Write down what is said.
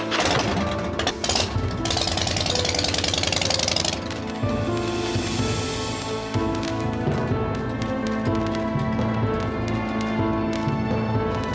jangan pernah lagi deketin gue